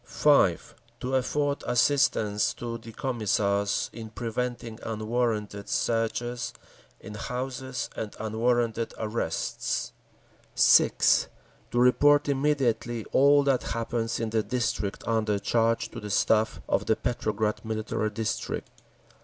5. To afford assistance to the Commissars in preventing unwarranted searches in houses and unwarranted arrests. 6. To report immediately all that happens in the district under charge to the Staff of the Petrograd Military District.